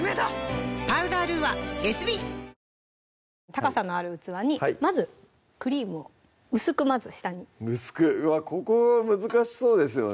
高さのある器にまずクリームを薄くまず下に薄くうわっここ難しそうですよね